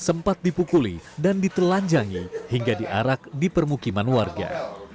sempat dipukuli dan ditelanjangi hingga diarak di permukiman warga